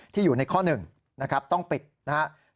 ที่อยู่ในข้อ๑ต้องปิดนะครับ